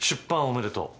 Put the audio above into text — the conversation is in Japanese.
おめでとう。